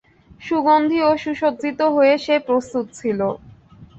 সুগন্ধি ও সুসজ্জিত হয়ে সে প্রস্তুত ছিল।